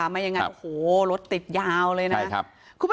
ไม่อย่างนั้นโหรถติดยาวเลยนะครับ